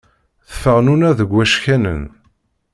Teffeɣ nuna deg wackanen.